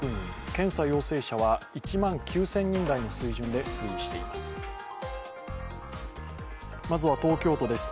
検査陽性者は１万９０００人台の水準で推移しています。